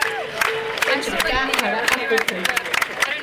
Échi ríka aʼlá a juku.